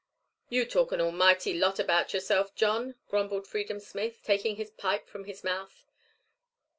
"You talk an almighty lot about yourself, John," grumbled Freedom Smith, taking his pipe from his mouth.